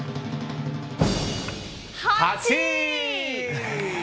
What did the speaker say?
８位！